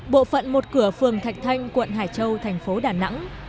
bộ phận một cửa phường thạch thanh quận hải châu thành phố đà nẵng